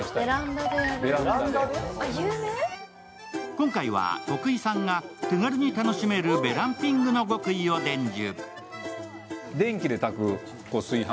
今回は徳井さんが手軽に楽しめるベランピングの極意を伝授。